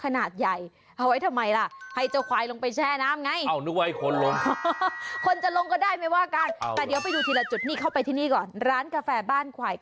นายสรวุฒิเสดกิจเจ้าของร้าน